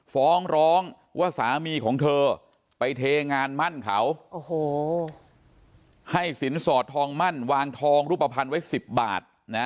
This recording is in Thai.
ฟ้องร้องว่าสามีของเธอไปเทงานมั่นเขาให้สินสอดทองมั่นวางทองรูปภัณฑ์ไว้๑๐บาทนะ